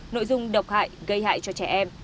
nội dung độc hại gây hại cho trẻ em